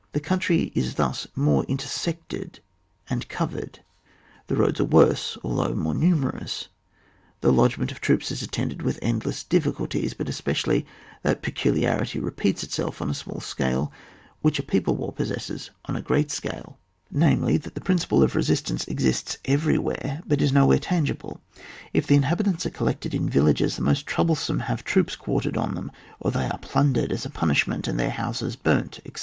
The country is thus more inter sected an dcovered ; the roads are worse, although more numerous; the lodgement of troops is attended with endless diffi culties, but especially that peculiarity repeats itself on a small scale, which a people war possesses on a great scale, CHAP. XXVI. J ARMING THE NATION. 175 namely that the principle of resistance exists everywhere, but is nowhere tangi ble. If the inhabitants are collected in villages, the most troublesome have troops quartered on them, or they are plundered as a punishment, and their houses burnt, etc.